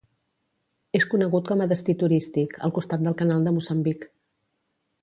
És conegut com a destí turístic, al costat del Canal de Moçambic.